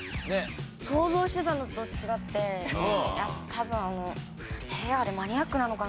想像してたのと違って多分あのえーっあれマニアックなのかな？